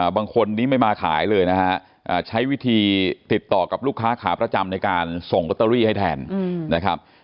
บางคนนี้ไม่มาขายเลยนะฮะใช้วิธีติดต่อกับลูกค้าขาประจำในการส่งลอตเตอรี่ให้แทนนะครับ